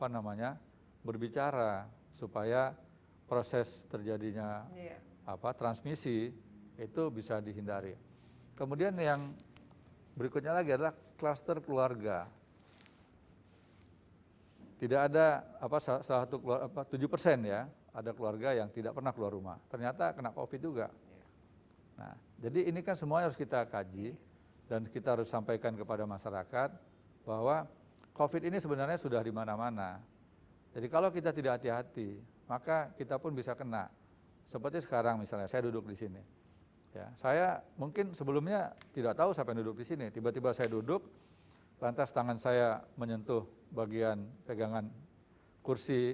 nah ada beberapa daerah tetapi tidak terlalu banyak